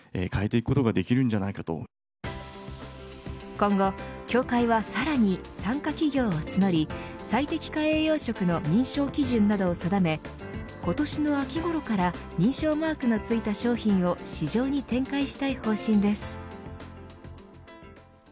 今後、協会はさらに参加企業を募り最適化栄養食の認証基準などを定め今年の秋ごろから認証マークの付いた商品を市場に展開したい方針です。